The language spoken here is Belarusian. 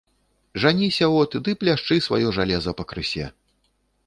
Жаніся от, ды пляшчы сваё жалеза пакрысе.